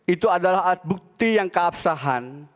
itu adalah alat bukti yang keabsahan